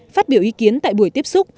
phát biểu ý kiến tại buổi tiếp xúc